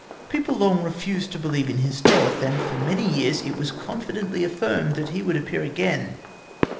People long refused to believe in his death, and for many years it was confidently affirmed that he would appear again.